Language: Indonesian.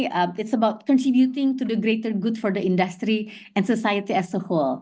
ini tentang berkontribusi kepada kebaikan yang lebih besar untuk industri dan masyarakat sebagai sepenuhnya